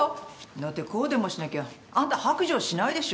だってこうでもしなきゃあんた白状しないでしょ